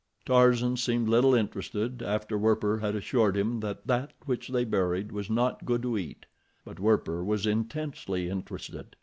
Tarzan seemed little interested, after Werper had assured him that that which they buried was not good to eat; but Werper was intensely interested.